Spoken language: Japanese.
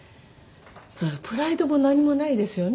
プライドも何もないですよね。